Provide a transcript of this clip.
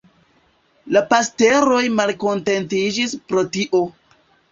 La pastoroj malkontentiĝis pro tio.